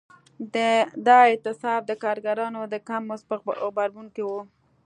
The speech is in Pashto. دا اعتصاب د کارګرانو د کم مزد په غبرګون کې و.